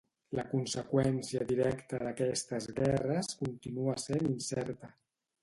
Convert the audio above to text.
La conseqüència directa d'aquestes guerres continua sent incerta.